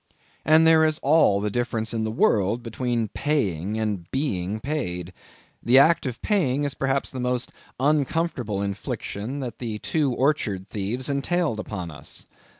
And there is all the difference in the world between paying and being paid. The act of paying is perhaps the most uncomfortable infliction that the two orchard thieves entailed upon us.